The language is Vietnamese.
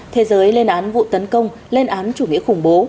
thế giới lên án vụ tấn công lên án chủ nghĩa khủng bố